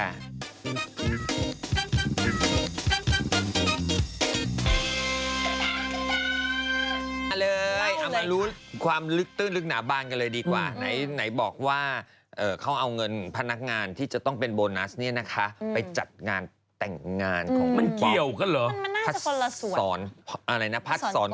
อะไรเอามารู้ความลึกตื้นลึกหนาบานกันเลยดีกว่าไหนบอกว่าเขาเอาเงินพนักงานที่จะต้องเป็นโบนัสเนี่ยนะคะไปจัดงานแต่งงานของมันเกี่ยวกันเหรอ